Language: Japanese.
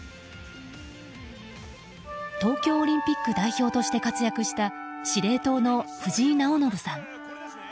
東京オリンピック代表として活躍した司令塔の藤井直伸さん。